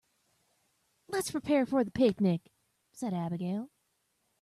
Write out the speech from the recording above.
"Let's prepare for the picnic!", said Abigail.